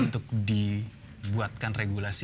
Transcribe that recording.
untuk dibuatkan regulasi